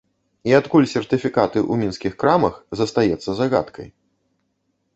І адкуль сертыфікаты ў мінскіх крамах, застаецца загадкай.